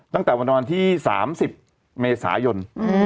ตั้งแต่ประมาณที่๓๐เมษายน